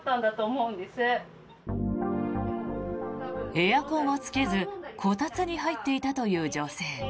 エアコンはつけずこたつに入っていたという女性。